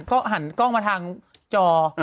ก็หันกล้องมาทางจอ